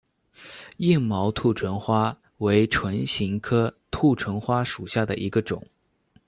硬毛兔唇花为唇形科兔唇花属下的一个种。